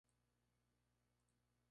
La dificultad de la ruta es media-alta.